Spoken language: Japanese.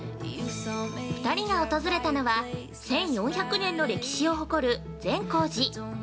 ◆２人が訪れたのは、１４００年の歴史を誇る善光寺。